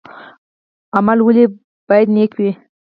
عمل ولې باید نیک وي؟